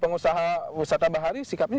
pengusaha wisata bahari sikapnya